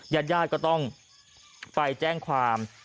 ญาติญาติก็ต้องไปแจ้งความ